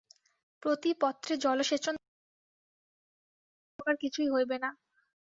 প্রতি পত্রে জলসেচন দ্বারা সময় নষ্ট হইবে মাত্র, উপকার কিছুই হইবে না।